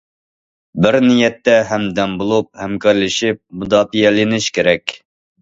بىر نىيەتتە ھەمدەم بولۇپ، ھەمكارلىشىپ مۇداپىئەلىنىش كېرەك.